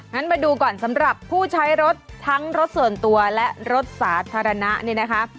มาดูก่อนสำหรับผู้ใช้รถทั้งรถส่วนตัวและรถสาธารณะนี่นะคะ